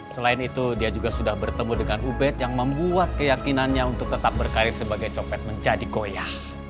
selain itu dia juga sudah bertemu dengan ubed yang membuat keyakinannya untuk tetap berkarir sebagai copet menjadi koya